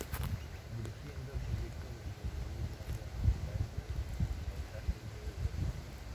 Dirigiendo el proyecto dentro de uno más general de Paisajes de Europa.